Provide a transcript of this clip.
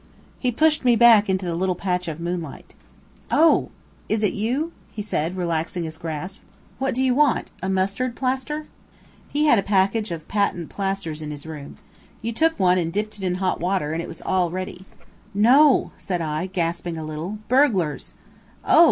He pushed me back into the little patch of moonlight. "Oh! is it you?" he said, relaxing his grasp. "What do you want? A mustard plaster?" He had a package of patent plasters in his room. You took one and dipped it in hot water, and it was all ready. "No," said I, gasping a little. "Burglars." "Oh!"